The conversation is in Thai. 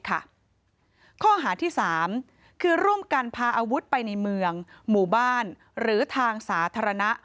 ข้อหาที่๓คือร่วมกันพาอาวุธไปในเมืองหมู่บ้านหรือทางสาธารณะ